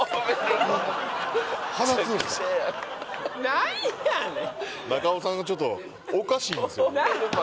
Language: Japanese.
何やねん！？